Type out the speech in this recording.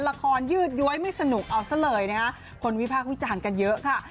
ยืดย้วยไม่สนุกเอาซะเลยนะคะคนวิพากษ์วิจารณ์กันเยอะค่ะ